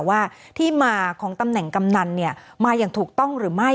ว่าที่มาของตำแหน่งกำนันมาอย่างถูกต้องหรือไม่